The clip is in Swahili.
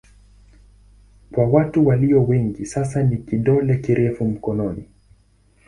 Kwa watu walio wengi sana ni kidole kirefu mkononi.